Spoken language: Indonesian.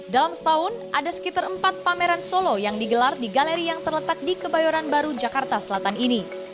dalam setahun ada sekitar empat pameran solo yang digelar di galeri yang terletak di kebayoran baru jakarta selatan ini